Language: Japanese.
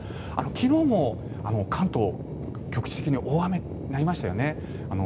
昨日も関東、局地的に大雨になりましたよね。